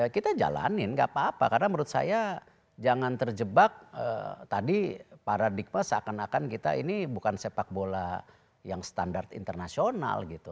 kita jalanin gak apa apa karena menurut saya jangan terjebak tadi paradigma seakan akan kita ini bukan sepak bola yang standar internasional gitu